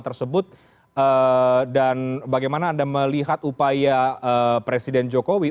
tersebut dan bagaimana anda melihat upaya presiden jokowi